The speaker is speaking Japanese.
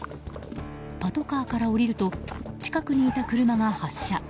パトカーから降りると近くにいた車が発車。